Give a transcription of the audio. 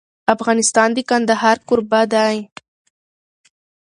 افغانستان د کندهار کوربه دی.